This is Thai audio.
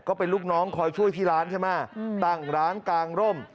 ก็เป็นลูกน้องคอยช่วยที่ร้านใช่ไหมตั้งร้านกางร่ม